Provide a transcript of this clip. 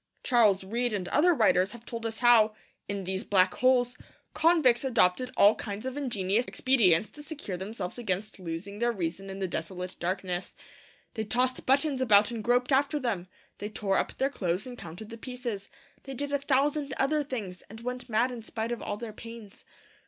Charles Reade and other writers have told us how, in those black holes, convicts adopted all kinds of ingenious expedients to secure themselves against losing their reason in the desolate darkness. They tossed buttons about and groped after them; they tore up their clothes and counted the pieces; they did a thousand other things, and went mad in spite of all their pains.